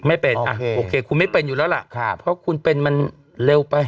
ไม่เป็นอ่ะโอเคคุณไม่เป็นอยู่แล้วล่ะเพราะคุณเป็นมันเร็วไป